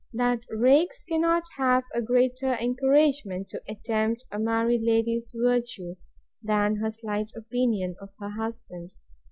That rakes cannot have a greater encouragement to attempt a married lady's virtue, than her slight opinion of her husband.